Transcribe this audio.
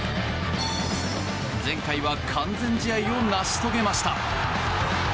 前回は完全試合を成し遂げました。